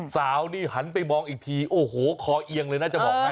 สาวนี่หันไปมองอีกทีโอ้โหคอเอียงเลยนะจะบอกให้